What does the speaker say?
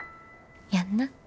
やんな。